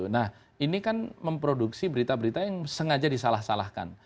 nah ini kan memproduksi berita berita yang sengaja disalah salahkan